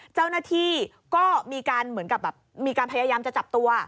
เจ้าหน้าที่ก็มีการเหมือนกับแบบมีการพยายามจะจับตัว